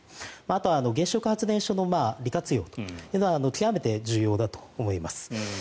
あとは原子力発電所の利活用が極めて重要だと思います。